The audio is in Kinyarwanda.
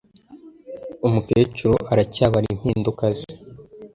Umukecuru aracyabara impinduka ze.